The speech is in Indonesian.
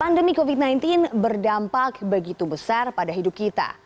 pandemi covid sembilan belas berdampak begitu besar pada hidup kita